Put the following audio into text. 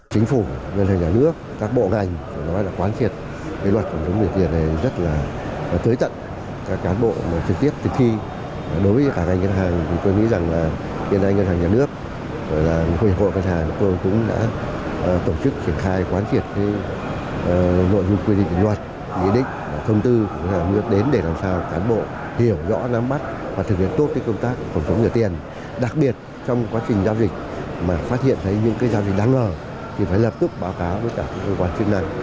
chính phủ ngân hàng nhà nước đã báo hành các quy định triển khai hướng dẫn thực hiện một số điều của luật phòng chống rửa tiền với nhiều nội dung phù hợp với thực tiễn